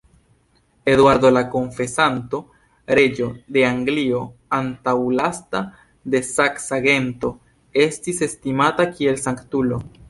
Eduardo la Konfesanto, reĝo de Anglio, antaŭlasta de saksa gento, estis estimata kiel sanktulo.